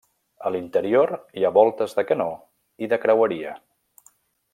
A l'interior hi ha voltes de canó i de creueria.